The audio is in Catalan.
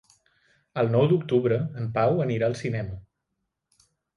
El nou d'octubre en Pau anirà al cinema.